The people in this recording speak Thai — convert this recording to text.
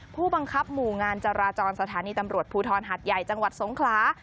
ผู้บังคับหมู่งานจราจรสถานีตำรวจภูทรหัดใหญ่จังหวัดสงขลา